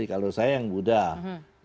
kalau saya yang buddha